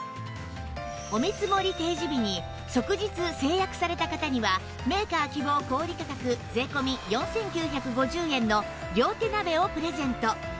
お見積もり提示日に即日成約された方にはメーカー希望小売価格税込４９５０円の両手鍋をプレゼント